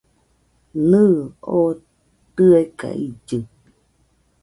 Nɨɨ, oo tɨeka illɨ .